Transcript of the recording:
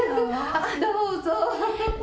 どうぞ。